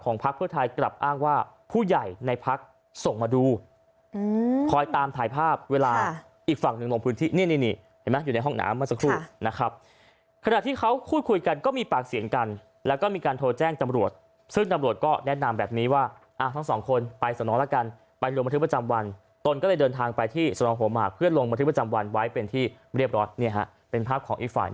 นี่นี่นี่เห็นไหมอยู่ในห้องน้ำมาสักครู่นะครับขณะที่เขาคุยคุยกันก็มีปากเสียงกันแล้วก็มีการโทรแจ้งจำรวจซึ่งจำรวจก็แนะนำแบบนี้ว่าอ่าทั้งสองคนไปสนองแล้วกันไปลงมาที่ประจำวันตนก็เลยเดินทางไปที่สนองหัวหมากเพื่อลงมาที่ประจำวันไว้เป็นที่เรียบร้อยเนี่ยฮะเป็นภาพของอีกฝ่